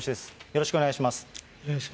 よろしくお願いします。